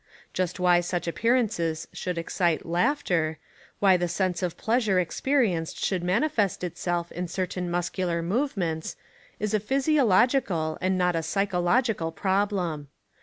Just why such appearances should excite laughter, why the sense of pleas ure experienced should manifest itself in cer tain muscular movements, is a physiological, and not a psychological problem.